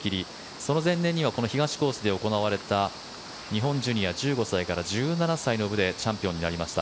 その前年にはこの東コースで行われた日本ジュニア１５歳から１７歳の部でチャンピオンになりました。